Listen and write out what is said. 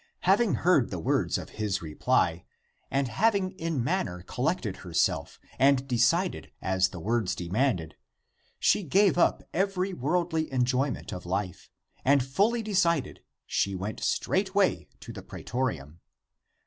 Having heard the words of his reply, and having in manner collected herself and decided as the words demanded, she gave up every worldly enjoyment of life, and fully decided she went straightway to the pretorium.